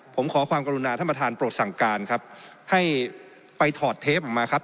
ผมขอความกรุณาท่านประธานโปรดสั่งการครับให้ไปถอดเทปออกมาครับ